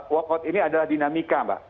walk out ini adalah dinamika mbak